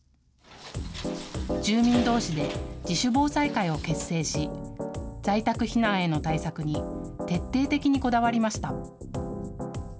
住民どうしで自主防災会を結成し在宅避難への対策に徹底的にこだわりました。